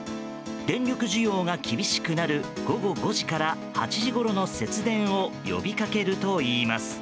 電力需要が厳しくなる午後５時から８時ごろの節電を呼びかけるといいます。